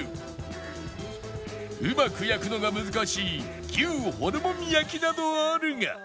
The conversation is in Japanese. うまく焼くのが難しい牛ホルモン焼などあるが